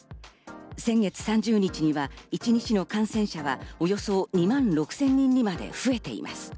先月３０日には一日の感染者は、およそ２万６０００人にまで増えています。